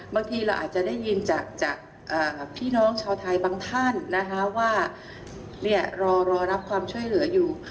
บางทีเราอาจจะได้ยินจากพี่น้องชาวไทยบางท่านนะคะว่ารอรับความช่วยเหลืออยู่